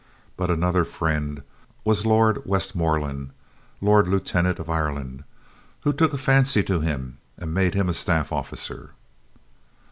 But another friend was Lord Westmoreland, Lord Lieutenant of Ireland, who took a fancy to him and made him a staff officer.